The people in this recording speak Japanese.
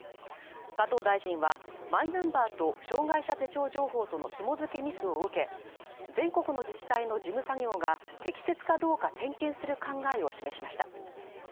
加藤大臣は、マイナンバーと障害者手帳情報との紐づけミスを受け、全国の自治体の事務作業が適切かどうか点検する考えを示しました。